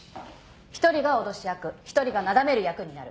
一人が脅し役一人がなだめる役になる。